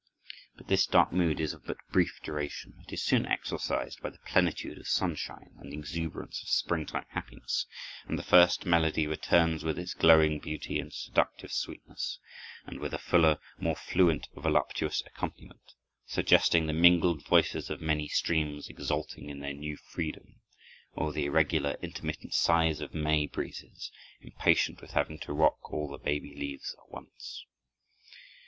But this dark mood is of but brief duration; it is soon exorcised by the plenitude of sunshine and the exuberance of springtime happiness, and the first melody returns with all its glowing beauty and seductive sweetness, and with a fuller, more fluent, voluptuous accompaniment, suggesting the mingled voices of many streams exulting in their new freedom, or the irregular, intermittent sighs of May breezes, impatient with having to rock all the baby leaves at once.